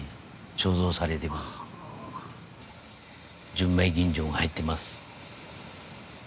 純米吟醸が入ってます。